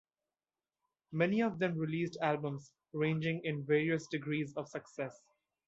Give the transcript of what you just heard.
Many of them released albums, ranging in various degrees of success.